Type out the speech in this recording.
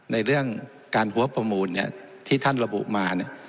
ในเรื่องการหัวประมูลเนี่ยที่ท่านระบุมาเนี่ย